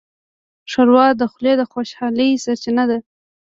ښوروا د خولې د خوشحالۍ سرچینه ده.